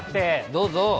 どうぞ。